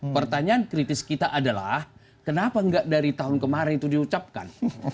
pertanyaan kritis kita adalah kenapa enggak dari tahun kemarin itu diucapkan